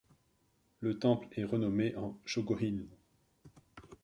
Le temple est renommé en Shōgo-in.